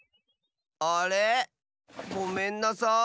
あれごめんなさい。